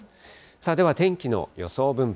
では天気の予想分布